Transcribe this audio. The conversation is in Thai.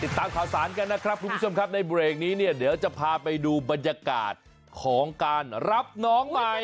ติดตามข่าวสารกันนะครับคุณผู้ชมครับในเบรกนี้เนี่ยเดี๋ยวจะพาไปดูบรรยากาศของการรับน้องใหม่